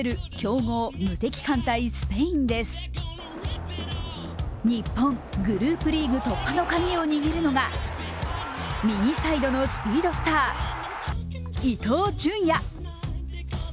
日本、グループリーグ突破のカギを握るのが右サイドのスピードスター、伊東純也。